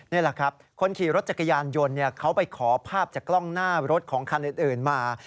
นี่แหละครับคนขี่รถจักรยานยนต์เขาไปขอภาพจากกล้องหน้ารถของคันอื่นมา